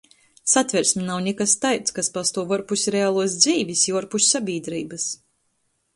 Satversme nav nikas taids, kas pastuov uorpus realuos dzeivis i uorpus sabīdreibys.